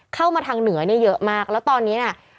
เข้ามาทางเหนือเยอะมากแล้วตอนนี้